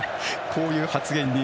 こういう発言に。